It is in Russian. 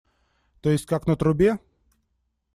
То есть как на трубе?